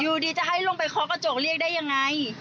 อยู่ดีจะให้ลงไปเคาะกระจกเรียกได้ยังไง